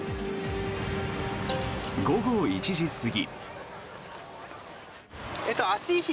午後１時過ぎ。